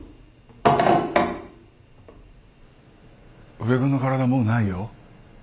宇部君の体もうないよ。